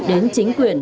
đến chính quyền